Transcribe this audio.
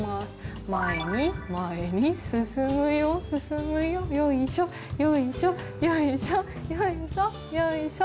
前に前に進むよ進むよよいしょよいしょよいしょよいしょよいしょ。